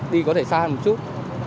đi có thể xa hơn một chút